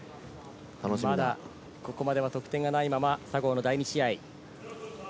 まだここまで得点がないまま佐合の第２試合。